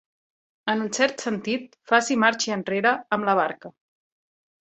En un cert sentit, faci marxi enrere amb la barca.